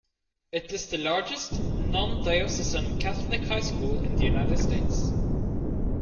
It is the largest non-diocesan Catholic high school in the United States.